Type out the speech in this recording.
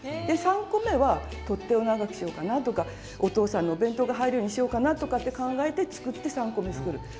で３個めは取っ手を長くしようかなとかお父さんのお弁当が入るようにしようかなとかって考えて作って３個め作る。